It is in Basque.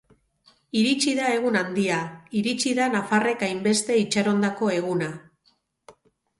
Iritsi da egun handia, iritsi da nafarrek hainbeste itxarondako eguna.